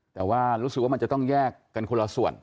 แต่ว่ารู้สึกว่ามันจะต้องแยกกันคนละส่วน